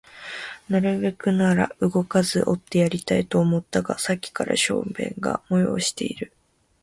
なるべくなら動かずにおってやりたいと思ったが、さっきから小便が催している